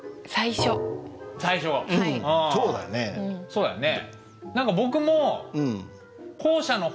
そうだね。